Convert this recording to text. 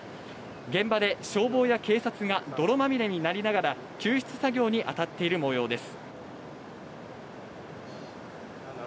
現場で消防や警察が泥まみれになりながら、救出作業に当たっているもようです。